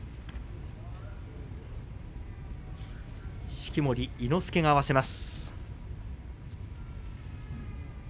式守伊之助が合わせます。